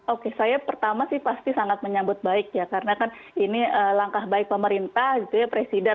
oke saya pertama sih pasti sangat menyambut baik ya karena kan ini langkah baik pemerintah gitu ya presiden